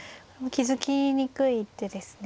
気付きにくい一手ですね。